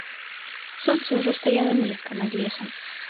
Сонца ўжо стаяла нізка над лесам.